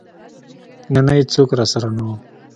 نه نه ايڅوک راسره نه و.